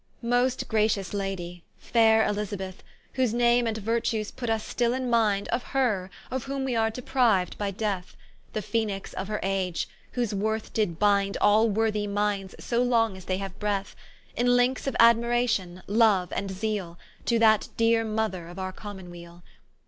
M Ost gratious Ladie, faire E L I Z A B E T H , Whose Name and Virtues puts vs still in mind, Of her, of whom we are depriu'd by death; The Phœnix of her age, whose worth did bind All worthy minds so long as they haue breath, In linkes of Admiration, loue and zeale, To that deare Mother of our Common weale.